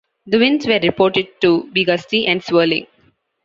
The winds were reported to be gusty and swirling.